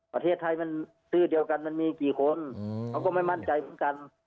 ประเทศไทยมันชื่อเดียวกันมันมีกี่คนเขาก็ไม่มั่นใจเหมือนกัน